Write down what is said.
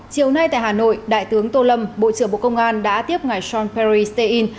chiều nay tại hà nội đại tướng tô lâm bộ trưởng bộ công an đã tiếp ngài sean perry stay in